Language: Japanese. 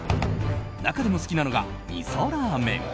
中でも好きなのがみそラーメン。